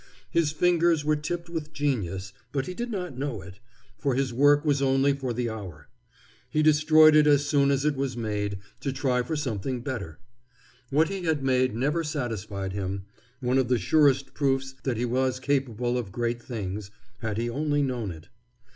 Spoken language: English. His fingers were tipped with genius, but he did not know it, for his work was only for the hour. He destroyed it as soon as it was made, to try for something better. What he had made never satisfied him one of the surest proofs that he was capable of great things, had he only known it.